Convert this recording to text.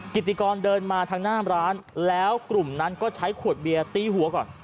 กิติกรเดินมาทางหน้าร้านแล้วกลุ่มนั้นก็ใช้ขวดเบียร์ตีหัวก่อน